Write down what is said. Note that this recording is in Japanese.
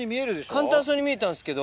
簡単そうに見えたんすけど。